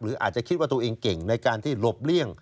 อาจจะคิดว่าตัวเองเก่งในการที่หลบเลี่ยง